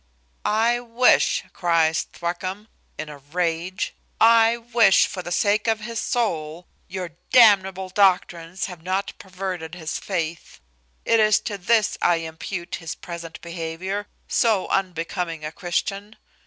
"I wish," cries Thwackum, in a rage, "I wish, for the sake of his soul, your damnable doctrines have not perverted his faith. It is to this I impute his present behaviour, so unbecoming a Christian.